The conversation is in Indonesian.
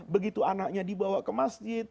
begitu anaknya dibawa ke masjid